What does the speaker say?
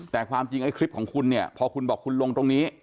แต่ความจริงไอ้คลิปของคุณเนี่ยพอคุณบอกคุณลงตรงนี้